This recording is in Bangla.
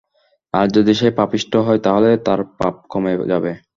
আর যদি সে পাপিষ্ঠ হয় তাহলে তার পাপ কমে যাবে।